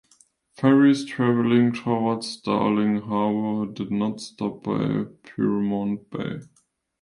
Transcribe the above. Ferries travelling towards Darling Harbour did not stop at Pyrmont Bay.